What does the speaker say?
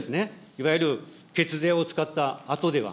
いわゆる血税を使ったあとでは。